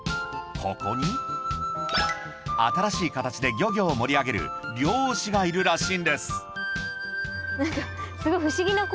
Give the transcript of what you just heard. ここに新しいかたちで漁業を盛り上げる漁師がいるらしいんです